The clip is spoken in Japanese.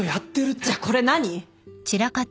じゃあこれ何？